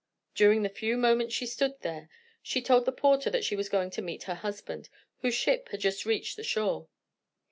During the few moments she stood there, she told the porter that she was going to meet her husband, whose ship had just reached the shore.